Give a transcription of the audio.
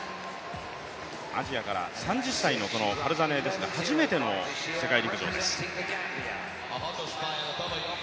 アジアから３０歳のこのファルザネーですが初めての世界陸上です。